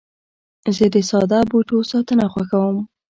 زه د ساده بوټو ساتنه خوښوم.